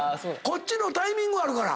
こっちのタイミングある。